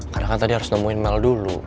karena kan tadi harus nemuin mel dulu